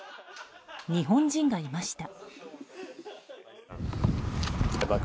日本人がいました。